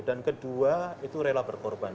dan kedua itu rela berkorban